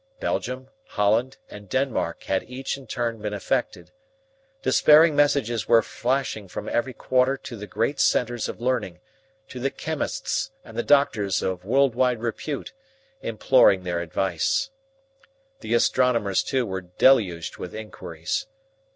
Belgium, Holland, and Denmark had each in turn been affected. Despairing messages were flashing from every quarter to the great centres of learning, to the chemists and the doctors of world wide repute, imploring their advice. The astronomers too were deluged with inquiries.